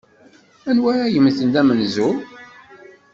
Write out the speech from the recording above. Anwa ara yemmten d amenzu?